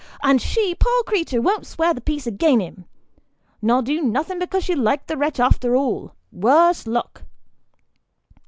and she, poor creater, won't swear the peace agin him, nor do nothin', because she likes the wretch arter all worse luck!"